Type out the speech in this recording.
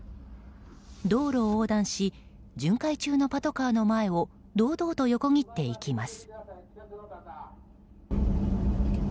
道路を横断し巡回中のパトカーの前を堂々と横切っていきます。